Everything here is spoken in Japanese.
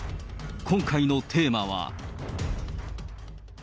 今回のテーマは。